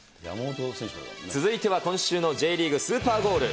続いては今週のＪリーグ、スーパーゴール。